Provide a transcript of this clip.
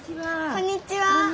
こんにちは。